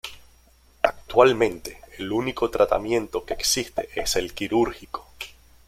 Actualmente el único tratamiento que existe es el quirúrgico.